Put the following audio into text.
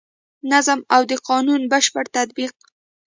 نظم او د قانون بشپړ تطبیق.